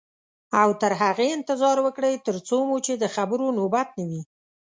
او تر هغې انتظار وکړئ تر څو مو چې د خبرو نوبت نه وي.